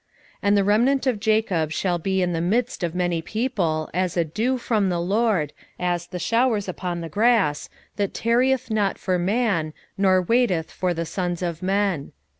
5:7 And the remnant of Jacob shall be in the midst of many people as a dew from the LORD, as the showers upon the grass, that tarrieth not for man, nor waiteth for the sons of men.